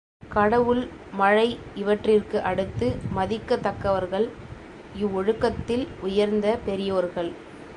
கடவுள், மழை இவற்றிற்கு அடுத்து மதிக்கத் தக்கவர்கள் இவ்வொழுக்கத்தில் உயர்ந்த பெரியோர்கள்.